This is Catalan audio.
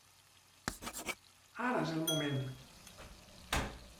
Ara és el moment.